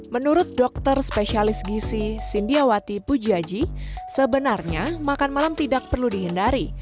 menurut dokter spesialis gisi sindiawati pujaji sebenarnya makan malam tidak perlu dihindari